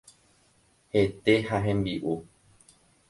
Hete ha hembi'u.